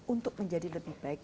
untuk menjadi lebih baik